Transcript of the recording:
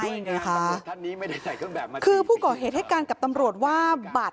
การให้การทานนี้ไม่ได้ใส่เครื่องแบบหน้าที่นี่คือผู้กรอกเหตุการณ์กับตำโหลดว่าบัตร